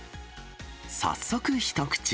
早速、一口。